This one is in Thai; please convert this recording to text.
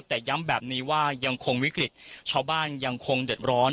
แต่ย้ำแบบนี้ว่ายังคงวิกฤตชาวบ้านยังคงเดือดร้อน